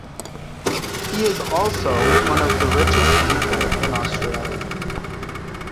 He is also one of the richest people in Australia.